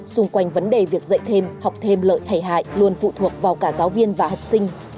xung quanh vấn đề việc dạy thêm học thêm lợi thầy hại luôn phụ thuộc vào cả giáo viên và học sinh